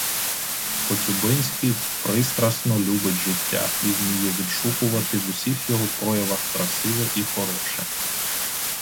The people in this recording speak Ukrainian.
Коцюбинський пристрасно любить життя і вміє відшукувати у всіх його проявах красиве і хороше.